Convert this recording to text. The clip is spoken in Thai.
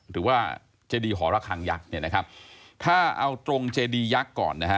หรือว่าเจดีหราคังยักษ์ถ้าเอาตรงเจดียักษ์ก่อน